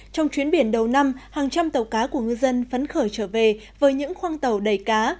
trong chuyến biển đầu năm hàng trăm tàu cá của ngư dân phấn khởi trở về với những khoang tàu đầy cá